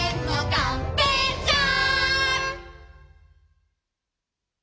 がんぺーちゃん。